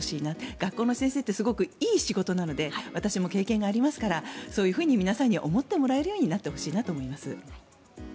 学校の先生はすごくいい仕事なので私も経験がありますからそういうふうに皆さんに思ってもらえるようになってほしいと思います。